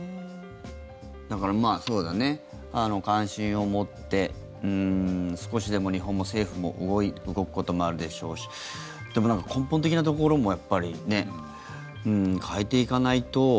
だから、関心を持って少しでも日本も政府も動くこともあるでしょうしでも、根本的なところもやっぱり変えていかないと。